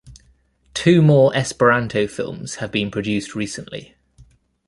Two more Esperanto films have been produced recently.